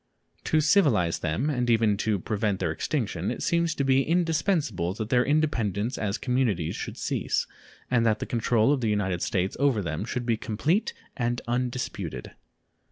To civilize them, and even to prevent their extinction, it seems to be indispensable that their independence as communities should cease, and that the control of the United States over them should be complete and undisputed.